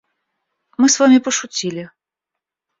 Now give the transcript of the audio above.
Мы с вами пошутили.